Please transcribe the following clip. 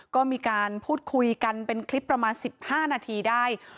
ก็มีการพูดคุยกันเป็นคลิปประมาณ๑๕นาทีได้